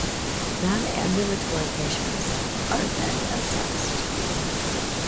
Non-ambulatory patients are then assessed.